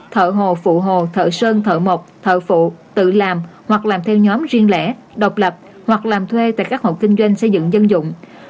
thợ hồ phụ hồ thợ sơn thợ mộc thợ phụ tự làm hoặc làm theo nhóm riêng lẻ độc lập hoặc làm thuê tại các hộ kinh doanh xây dựng dân dụng